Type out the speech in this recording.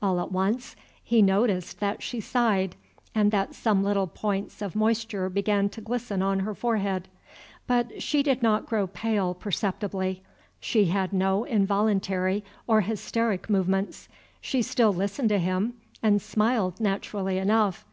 All at once he noticed that she sighed, and that some little points of moisture began to glisten on her forehead. But she did not grow pale perceptibly; she had no involuntary or hysteric movements; she still listened to him and smiled naturally enough.